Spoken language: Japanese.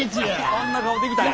こんな顔できたんやな。